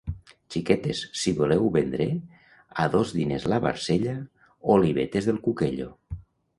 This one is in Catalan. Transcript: Xiquetes, si voleu vendré, a dos diners la barcella, olivetes del cuquello.